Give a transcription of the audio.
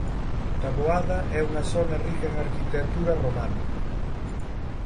Taboada é unha zona rica en arquitectura románica.